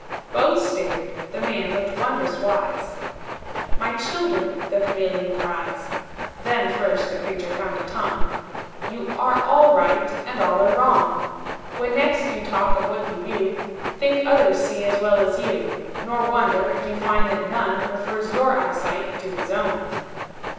Both stared, the man looked wondrous wise "My children," the chameleon cries, (Then first the creature found a tongue,) "You are all right, and all are wrong: When next you talk of what you view, Think others see as well as you; Nor wonder, if you find that none Prefers your eyesight to his own."